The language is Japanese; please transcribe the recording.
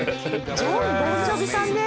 ジョン・ボン・ジョヴィさんです。